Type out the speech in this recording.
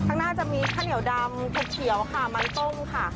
ข้างหน้าจะมีข้าวเหนียวดำขดเขียวค่ะมันต้มค่ะ